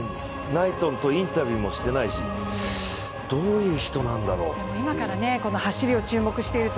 ナイトンとインタビューもしてないし、どういう人なんだろうっていう。